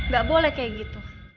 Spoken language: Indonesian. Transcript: gak boleh kayak gitu